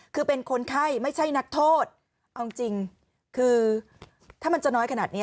คือเป็นคนไข้ไม่ใช่นักโทษเอาจริงคือถ้ามันจะน้อยขนาดนี้